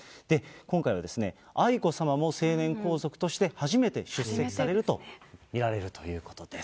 今回は、愛子さまも成年皇族として初めて出席されると見られるということです。